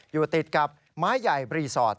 อยู่ติดกับไม้ใหญ่รีสอร์ท